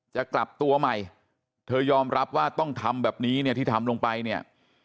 จะกลับตัวใหม่เธอยอมรับว่าต้องทำแบบนี้เนี่ยที่ทำลงไปเนี่ย